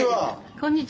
こんにちは。